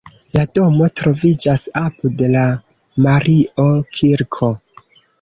La domo troviĝas apud la Mario-kirko.